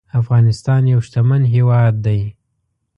افغانستان يو شتمن هيواد دي